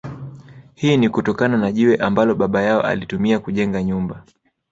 Hii ni kutokana na jiwe ambalo baba yao alitumia kujenga nyumba